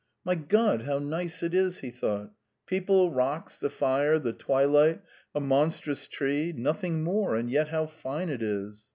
"My God, how nice it is!" he thought. "People, rocks, the fire, the twilight, a monstrous tree nothing more, and yet how fine it is!"